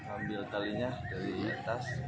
ambil talinya dari atas